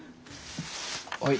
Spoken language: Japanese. はい。